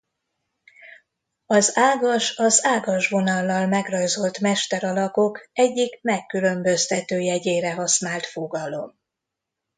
Az ágas- az ágas vonallal megrajzolt mesteralakok egyik megkülönböztető jegyére használt fogalom.